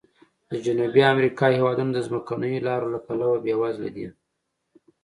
د جنوبي امریکا هېوادونه د ځمکنیو لارو له پلوه بې وزلي دي.